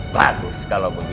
bagus kalau begitu